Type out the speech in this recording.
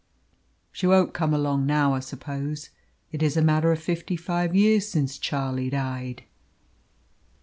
She won't come along now, I suppose. It is a matter of fifty five years since Charlie died."